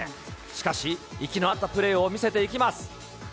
しかし、息の合ったプレーを見せていきます。